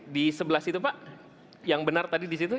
di sebelah situ pak yang benar tadi di situ